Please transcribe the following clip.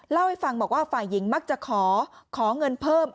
เล่าให้ฟังบอกว่าฝ่ายหญิงมักจะขอขอเงินเพิ่ม